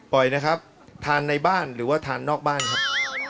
นะครับทานในบ้านหรือว่าทานนอกบ้านครับ